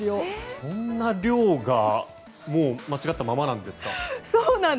そんな量がもう間違ったままなんですか。